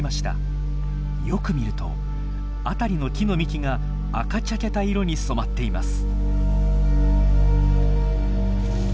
よく見ると辺りの木の幹が赤茶けた色に染まっています。